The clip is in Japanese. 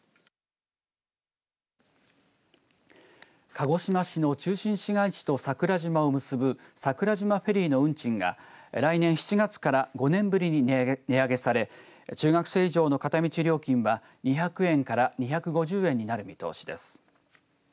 鹿児島市の中心市街地と桜島を結ぶ桜島フェリーの運賃が来年７月から５年ぶりに値上げされ中学生以上の片道料金は２００円から２５０円になる見通しです。